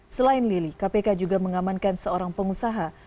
selain lili kpk juga mengamankan seorang pengusaha